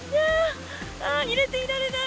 入れていられない。